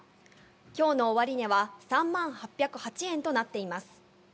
きょうの終値は３万８０８円となっています。